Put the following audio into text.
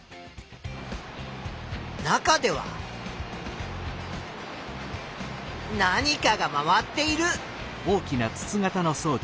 中では何かが回っている。